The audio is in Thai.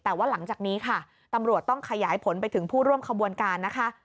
แต่ว่าหลังจากนี้ค่ะตำรวจต้องขยายผลไปถึงผู้ร่วมขบวนการนะคะ